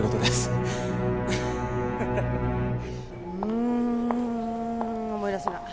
うん思い出せない。